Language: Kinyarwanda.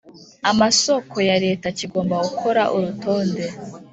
Amasoko ya Leta kigomba gukora urutonde